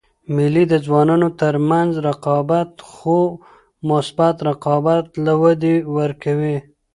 مېلې د ځوانانو تر منځ رقابت؛ خو مثبت رقابت ته وده ورکوي.